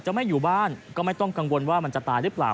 ไม่อยู่บ้านก็ไม่ต้องกังวลว่ามันจะตายหรือเปล่า